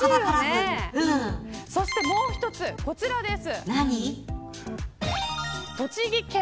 そして、もう一つこちらです。